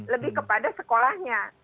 lebih kepada sekolahnya